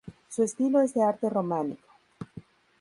Su estilo es de arte románico.